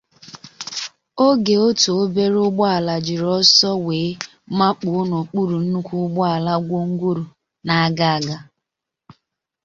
oge otu obere ụgbọala jiri ọsọ wee makpuo n'òkpúrù nnukwu ụgbọala gwongworo na-aga aga.